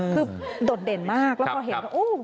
คือโดดเด่นมากแล้วพอเห็น